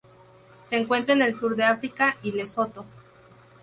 Se encuentra en el sur de África y Lesoto.